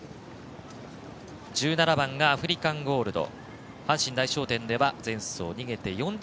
１７番がアフリカンゴールド。